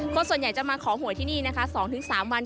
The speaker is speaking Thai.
คนส่วนใหญ่จะมาขอหวยที่นี่นะคะ๒๓วัน